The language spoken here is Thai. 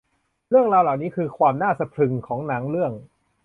เรื่องราวเหล่านี้คือความน่าสะพรึงของหนังเรื่อง